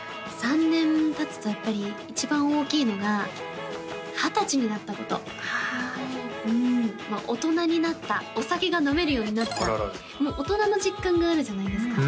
３年たつとやっぱり一番大きいのが二十歳になったことああ大人になったお酒が飲めるようになったもう大人の実感があるじゃないですか